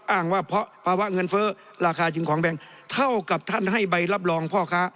อ้างว่าเพราะภาวะเงินเฟ้อราคาจริงของแบงเท่ากับท่านให้ใบรับรองพ่อค้า